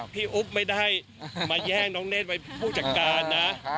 อุ๊บไม่ได้มาแย่งน้องเนธไว้ผู้จัดการนะ